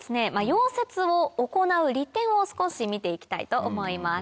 溶接を行う利点を少し見て行きたいと思います。